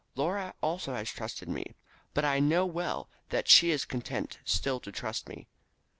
Laura also has trusted me, but I know well that she is content still to trust me."